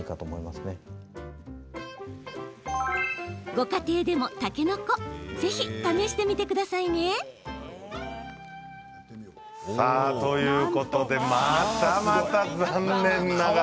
ご家庭でも、たけのこぜひ試してみてくださいね。ということでまたまた残念。